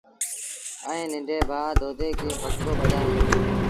ائيٚݩ ننڍي ڀآ دودي کي پٽڪو ٻڌآيآندون۔